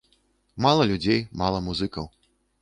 Мала людзей, мала музыкаў.